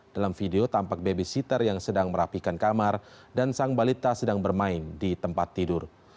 dalam video tampak babysitter yang sedang merapikan kamar dan sang balita sedang bermain di tempat tidur